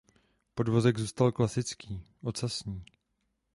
Podvozek zůstal klasický ocasní.